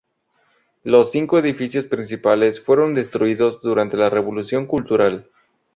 Los cinco edificios principales fueron destruidos durantes la Revolución Cultural.